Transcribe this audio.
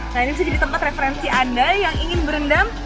nah ini bisa jadi tempat referensi anda yang ingin berendam